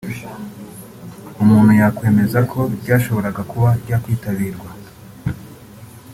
umuntu yakwemeza ko ryashoboraga kuba ryakwitabirwa